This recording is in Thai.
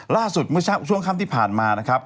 ล่าสุดเมื่อช่วงค่ำที่ผ่านมานะครับ